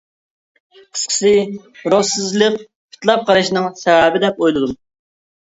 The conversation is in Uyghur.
قىسقىسى :روھسىزلىق-پىتلاپ قىلىشنىڭ سەۋەبى دەپ ئويلىدىم.